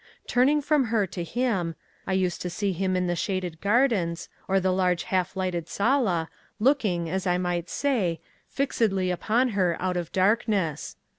Turning from her to him, I used to see him in the shaded gardens, or the large half lighted sala, looking, as I might say, 'fixedly upon her out of darkness.